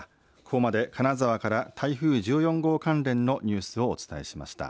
ここまで金沢から台風１４号関連のニュースをお伝えしました。